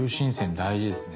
大事ですね。